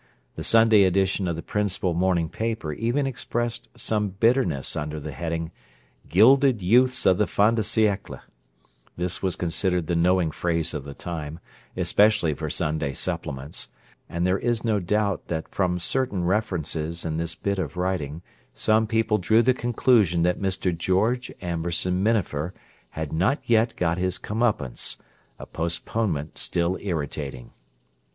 The Sunday edition of the principal morning paper even expressed some bitterness under the heading, "Gilded Youths of the Fin de Siècle"—this was considered the knowing phrase of the time, especially for Sunday supplements—and there is no doubt that from certain references in this bit of writing some people drew the conclusion that Mr. George Amberson Minafer had not yet got his comeuppance, a postponement still irritating.